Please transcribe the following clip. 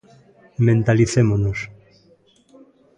Mentalicémonos.